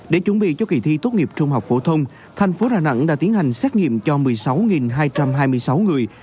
để chuẩn bị cho kỳ thi tốt nghiệp trung học phổ thông thành phố đà nẵng đã tiến hành xét nghiệm cho một mươi sáu hai trăm hai mươi sáu người